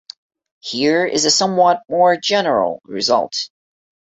Here is a somewhat more general result.